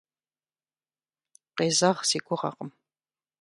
Къезэгъ си гугъэкъым.